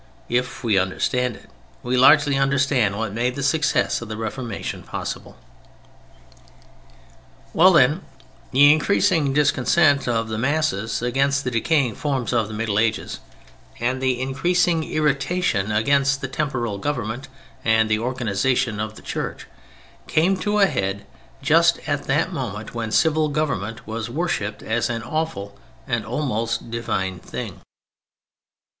If we understand it, we largely understand what made the success of the Reformation possible. Well, then, the increasing discontent of the masses against the decaying forms of the Middle Ages, and the increasing irritation against the temporal government and the organization of the Church, came to a head just at that moment when civil government was worshipped as an awful and almost divine thing.